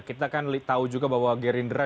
kita kan tahu juga bahwa gerindra